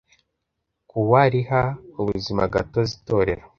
kuwa riha ubuzimagatozi Itorero